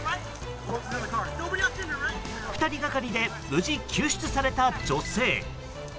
２人がかりで無事救出された女性。